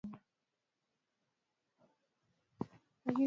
Akaufuata na kuanza kuutoa toka mtoni